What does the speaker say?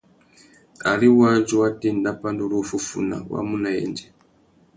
Ari wādjú wa tà enda pandúruffúffuna, wá mú nà yêndzê.